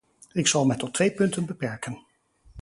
Ik zal mij tot twee punten beperken.